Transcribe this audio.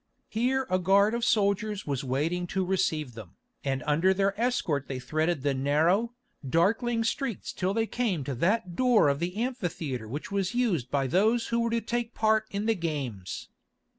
Here a guard of soldiers was waiting to receive them, and under their escort they threaded the narrow, darkling streets till they came to that door of the amphitheatre which was used by those who were to take part in the games.